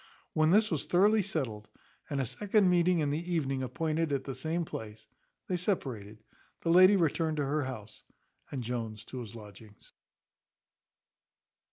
When this was thoroughly settled, and a second meeting in the evening appointed at the same place, they separated; the lady returned to her house, and Jones to his lodgings.